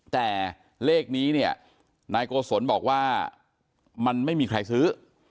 แต่เลขนี้เนี่ยนายโกศลบอกว่ามันไม่มีใครซื้อ